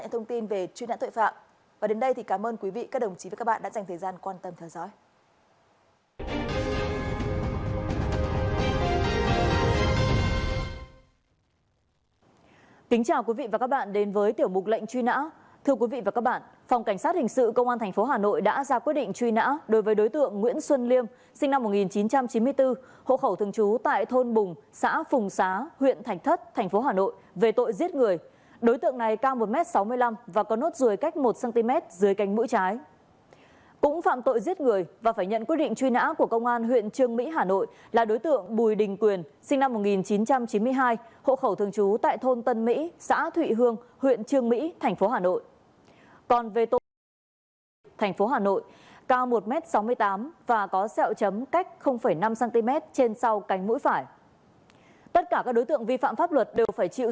hãy đăng ký kênh để ủng hộ kênh của mình nhé